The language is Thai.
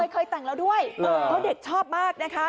เคยแต่งแล้วด้วยเพราะเด็กชอบมากนะคะ